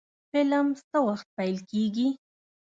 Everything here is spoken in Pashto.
فلم څه وخت پیل کیږي؟